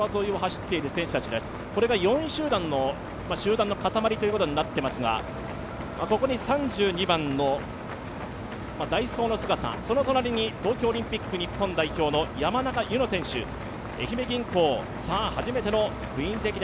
これが４位集団のかたまりということになっていますがここに３２番のダイソーの姿、その隣に東京オリンピック日本代表の山中柚乃選手、愛媛銀行、初めての「クイーンズ駅伝」